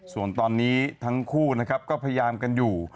ส่วนตอนนี้ทั้งคู่นะครับก็พยายามกันอยู่